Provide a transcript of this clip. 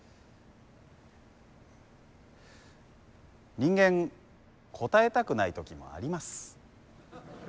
人間答えたくない時もあります。